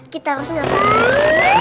kita harus ngepel